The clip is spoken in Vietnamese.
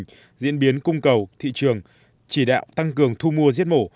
theo dõi sát tình hình diễn biến cung cầu thị trường chỉ đạo tăng cường thu mua giết mổ